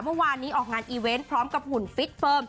เมื่อวานนี้ออกงานอีเวนต์พร้อมกับหุ่นฟิตเฟิร์ม